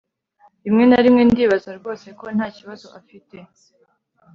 rimwe na rimwe ndibaza rwose ko ntakibazo afite